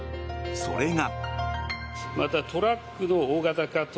それが。